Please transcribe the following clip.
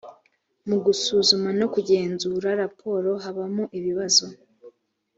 mu gusuzuma no kugenzura raporo habamo ibibazo.